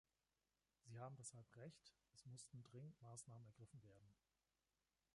Sie haben deshalb Recht, es mussten dringend Maßnahmen ergriffen werden.